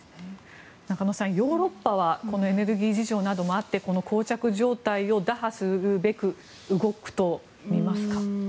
中野さん、ヨーロッパはこのエネルギー事情などもあってこのこう着状態を打破するべく動くとみますか？